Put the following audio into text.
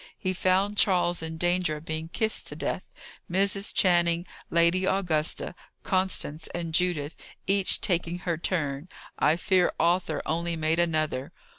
He found Charles in danger of being kissed to death Mrs. Channing, Lady Augusta, Constance, and Judith, each taking her turn. I fear Arthur only made another.